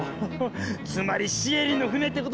つまりシエリの船ってことね。